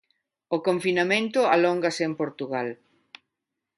O confinamento alóngase en Portugal.